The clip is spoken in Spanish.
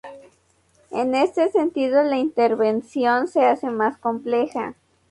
En este sentido la intervención se hace más compleja.